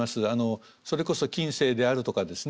それこそ近世であるとかですね